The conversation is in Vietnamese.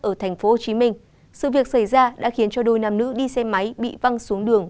ở tp hcm sự việc xảy ra đã khiến cho đôi nam nữ đi xe máy bị văng xuống đường